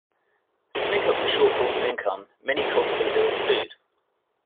To make up for shortfalls of income, many cultivate their own food.